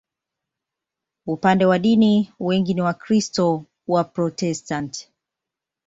Upande wa dini, wengi ni Wakristo Waprotestanti.